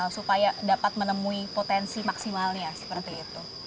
supaya dapat menemui potensi maksimalnya seperti itu